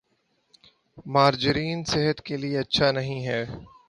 margarine صحت کے لئے اچھا نہیں ہے